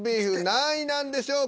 何位なんでしょうか。